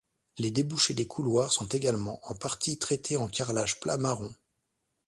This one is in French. Les débouchés des couloirs sont également en partie traités en carrelage plat marron.